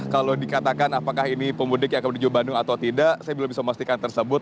kalau dikatakan apakah ini pemudik yang akan menuju bandung atau tidak saya belum bisa memastikan tersebut